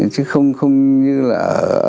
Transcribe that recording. chứ không như là